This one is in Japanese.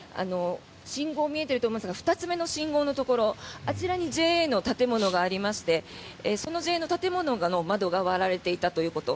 信号見えていると思いますが２つ目の信号のところあちらにＪＡの建物がありましてそのＪＡの建物の窓が割られていたということ。